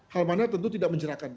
hal mana tentu tidak mencerahkan